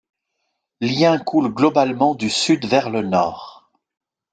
L'Hien coule globalement du sud vers le nord.